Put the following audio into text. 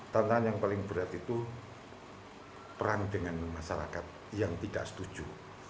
tantangan yang paling berat itu perang dengan masyarakat yang tidak setuju